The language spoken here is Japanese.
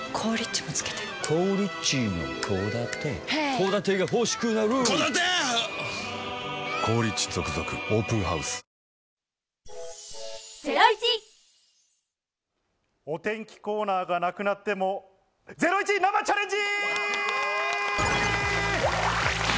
来週は雨お天気コーナーがなくなっても、ゼロイチ生チャレンジ！